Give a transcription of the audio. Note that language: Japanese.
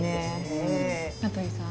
名取さん。